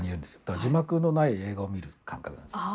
だから、字幕のない映画を見る感覚なんです。